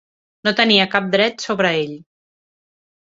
No tenia cap dret sobre ell.